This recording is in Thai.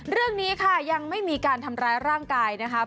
เรื่องนี้ค่ะยังไม่มีการทำร้ายร่างกายนะคะ